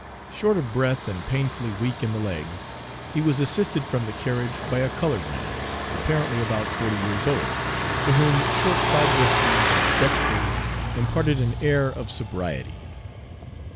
Short of breath and painfully weak in the legs, he was assisted from the carriage by a colored man, apparently about forty years old, to whom short side whiskers and spectacles imparted an air of sobriety.